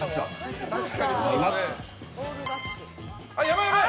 やばいやばい！